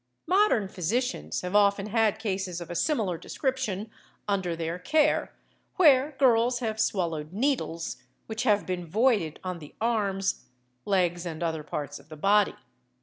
Modern physicians have often had cases of a similar description under their care, where girls have swallowed needles, which have been voided on the arms, legs, and other parts of the body.